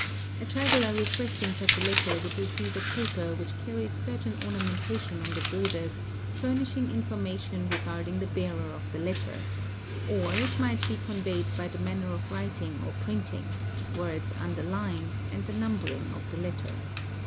<A traveller requesting such a letter would receive a paper which carried certain ornamentation on the borders furnishing informa | tion regarding the bearer of the letter; or it might be conveyed by the manner of writing or printing, words underlined, and the numbering of the letter.